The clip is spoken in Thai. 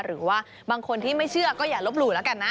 หรือว่าบางคนที่ไม่เชื่อก็อย่าลบหลู่แล้วกันนะ